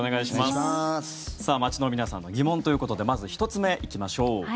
街の皆さんの疑問ということでまず１つ目、行きましょう。